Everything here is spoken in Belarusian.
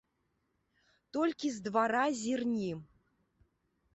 Толькі з двара зірні.